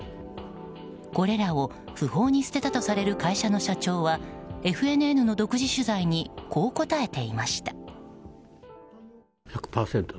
これらを不法に捨てたとされる会社の社長はＦＮＮの独自取材にこう答えていました。